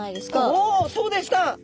おおそうでした。